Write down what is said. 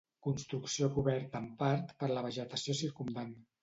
Construcció coberta en part per la vegetació circumdant.